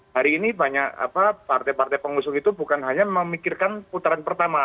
hari ini banyak partai partai pengusung itu bukan hanya memikirkan putaran pertama